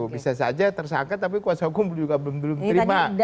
bisa saja tersangka tapi kuh juga belum terima